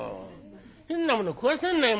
「変なもの食わせんなよ